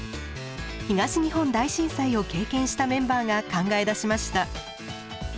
東日本大震災を経験したメンバーが考え出しました。